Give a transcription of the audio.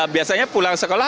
biasanya pulang sekolah